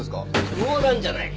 冗談じゃない！